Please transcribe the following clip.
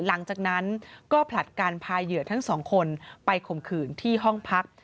หลังจากนั้นก็ผลัดการพาเหยื่อทั้งสองคนไปข่มขืนที่ห้องพัก